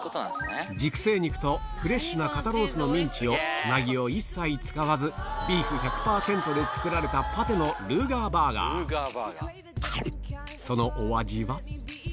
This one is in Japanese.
熟成肉とフレッシュな肩ロースのミンチをつなぎを一切使わずビーフ１００％で作られたパテのそのお味は？